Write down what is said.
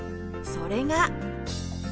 それが